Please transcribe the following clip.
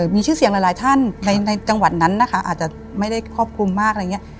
มีชื่อเสียงหลายท่านในจังหวัดนั้นนะคะอาจจะไม่ได้ครอบคลุมมากอะไรอย่างนี้